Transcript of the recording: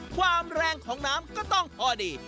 ความแรงของน้ำก็ต้องพอดี